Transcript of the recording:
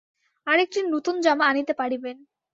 আর একটি নূতন জামা আনিতে পারিবেন।